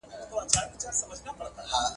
مالیه باید په عادلانه توګه راټوله سي.